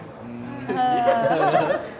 เออ